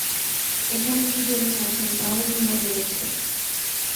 এখানে কি জন্যে আছেন তাও মিয়া বলেছে।